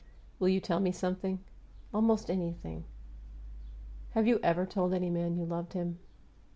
"Will you tell me something?" "Almost anything." "Have you ever told any man you loved him?"